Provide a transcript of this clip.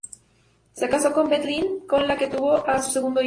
Se casó con Beth Lynn, con la que tuvo a su segundo hijo.